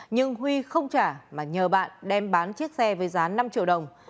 nhưng huy không trả mà nhờ bạn đem bán chiếc xe với giá năm triệu đồng